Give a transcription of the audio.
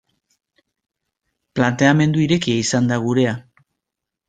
Planteamendu irekia izan da gurea.